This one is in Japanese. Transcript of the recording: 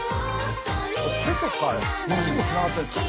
手とか足もつながってるんですか。